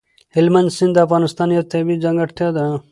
هلمند سیند د افغانستان یوه طبیعي ځانګړتیا ده.